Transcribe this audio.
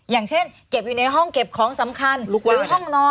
อย่างเช่นเก็บอยู่ในห้องเก็บของสำคัญหรือห้องนอน